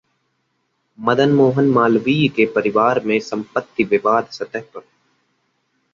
मदन मोहन मालवीय के परिवार में संपत्ति विवाद सतह पर